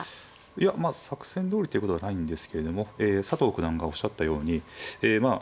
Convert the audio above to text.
いやまあ作戦どおりってことはないんですけれども佐藤九段がおっしゃったようにえまあ